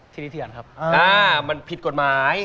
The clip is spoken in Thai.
ซีดีเถียนครับเอ้อมันผิดกฎหมาย